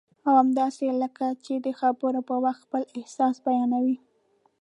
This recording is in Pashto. او همداسې کله چې د خبرو پر وخت خپل احساس بیانوي